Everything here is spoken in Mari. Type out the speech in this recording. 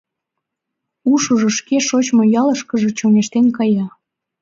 Ушыжо шке шочмо ялышкыже чоҥештен кая.